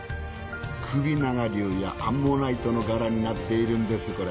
首長竜やアンモナイトの柄になっているんですこれ。